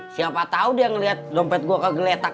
siapa tau dia ngeliat dompet gue kegeletak